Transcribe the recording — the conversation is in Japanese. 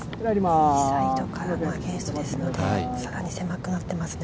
右サイドからのアゲンストですので、更に狭くなっていますね。